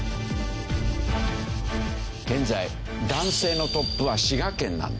現在男性のトップは滋賀県なんですよ。